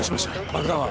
爆弾は？